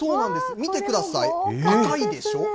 見てください、赤いでしょ？